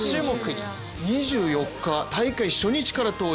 ２４日、大会初日から登場。